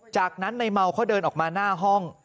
จากนั้นในเมาเขาเดินออกมาหน้าห้อง